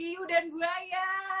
hiu dan buaya